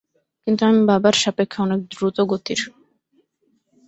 কিন্তু আমি বাবার সাপেক্ষে অনেক দ্রুতগতির।